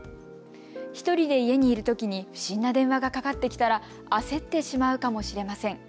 １人で家にいるときに不審な電話がかかってきたら焦ってしまうかもしれません。